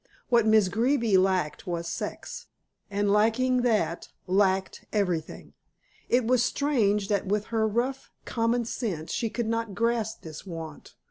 What Miss Greeby lacked was sex, and lacking that, lacked everything. It was strange that with her rough common sense she could not grasp this want.